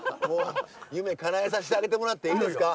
夢かなえさせてあげてもらっていいですか？